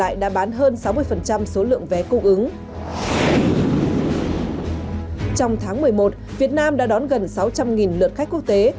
trong tháng một mươi một việt nam đã đón gần sáu trăm linh lượt khách quốc tế